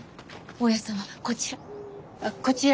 大家さんはこちら。